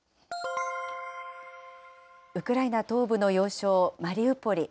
ウクライナ東部の要衝マリウポリ。